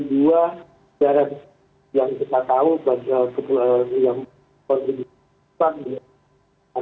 dua jarak yang kita tahu bagi yang kontribusinya